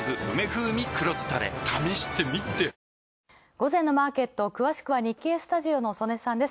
午前のマーケット、詳しくは日経スタジオの曽根さんです。